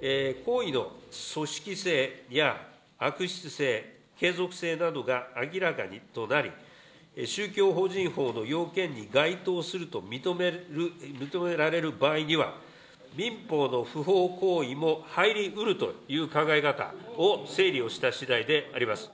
行為の組織性や悪質性、継続性などが明らかとなり、宗教法人法の要件に該当すると認められる場合には、民法の不法行為も入りうるという考え方を整理をした次第であります。